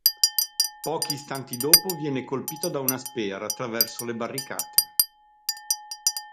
Pochi istanti dopo viene colpito da una spear attraverso le barricate.